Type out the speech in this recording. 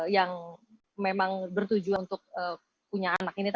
yang memang bertujuan untuk punya anak ini